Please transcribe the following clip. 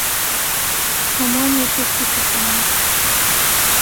ھەمووان وەک یەک بیردەکەنەوە.